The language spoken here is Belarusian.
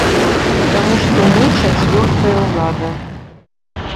Таму што мы чацвёртая ўлада.